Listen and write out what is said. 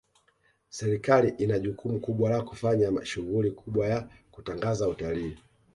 serikali ina jukumu kubwa la kufanya shughuli kubwa ya kutangaza utalii